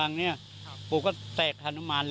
ทั้งหมดนี้คือลูกศิษย์ของพ่อปู่เรศรีนะคะ